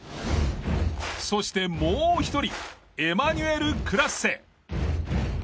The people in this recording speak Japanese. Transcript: そしてもう１人エマニュエル・クラッセ。